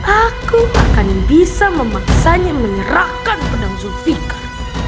aku akan bisa memaksanya menyerahkan pedang zulfiqar